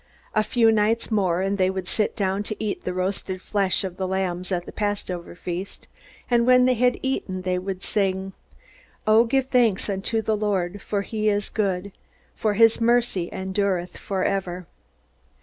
A few nights more, and they would sit down to eat the roasted flesh of the lambs at the Passover feast; and when they had eaten they would sing: "'O give thanks unto the Lord, for he is good: For his mercy endureth for ever.'"